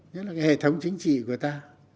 nhất là cái hệ thống chính trị của ta